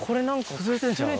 崩れてんちゃう？